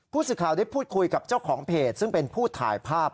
ผู้สื่อข่าวได้พูดคุยกับเจ้าของเพจซึ่งเป็นผู้ถ่ายภาพ